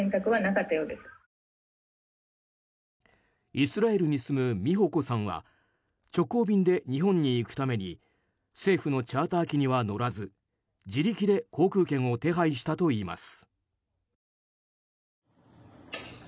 イスラエルに住む美穂子さんは直行便で日本に行くために政府のチャーター機には乗らず自力で航空券を手配したといいます。